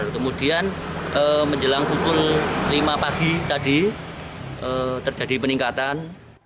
kemudian menjelang pukul lima pagi tadi terjadi peningkatan